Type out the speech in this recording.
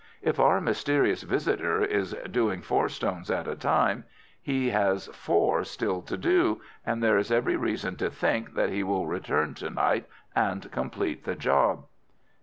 If our mysterious visitor is doing four stones at a time, he has four still to do, and there is every reason to think that he will return to night and complete the job."